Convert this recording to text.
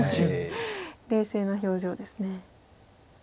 冷静な表情ですね。